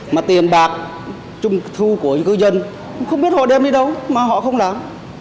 mà tiền bạc trung thu của những cư dân không biết họ đem đi đâu mà họ không làm